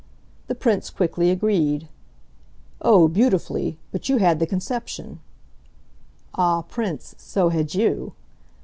The Prince quickly agreed. "Oh, beautifully! But you had the conception." "Ah, Prince, so had you!"